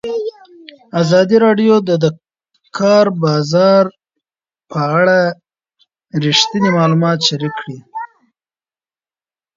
ازادي راډیو د د کار بازار په اړه رښتیني معلومات شریک کړي.